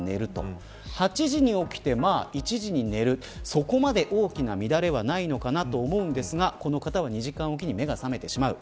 そこまで大きな乱れはないのかなと思うんですがこの方は２時間おきに目が覚めてしまう。